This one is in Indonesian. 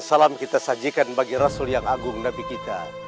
salam kita sajikan bagi rasul yang agung nabi kita